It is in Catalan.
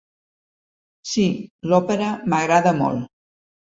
Sí, l'òpera m'agrada molt.